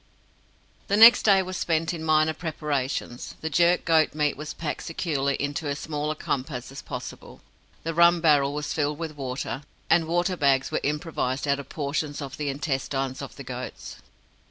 The next day was spent in minor preparations. The jerked goat meat was packed securely into as small a compass as possible. The rum barrel was filled with water, and water bags were improvised out of portions of the intestines of the goats.